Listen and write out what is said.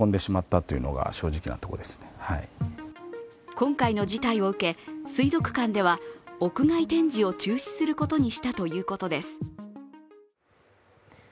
今回の事態を受け、水族館では屋外展示を中止することにしたということです。